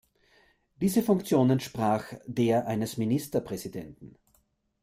Diese Funktion entsprach der eines Ministerpräsidenten.